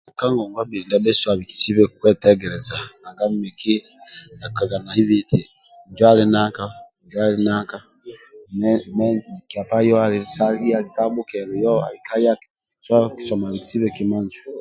Ka ngongwa mbili ndia bhesu abikisi lbe kwetegeleza nanga miki akilikaga naibi eti minjo ali nanka minjo ali aka so kisomo abikisibe kima injo